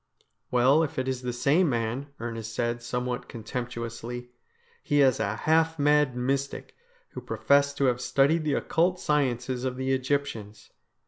' Well, if it is the same man,' Ernest said somewhat con temptuously, ' he is a half mad mystic, who professed to have studied the occult sciences of the Egyptians.